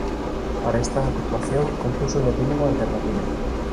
Para esta actuación, compuso un Epílogo alternativo.